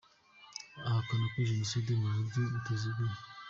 Ahakana na jenoside mu buryo butaziguye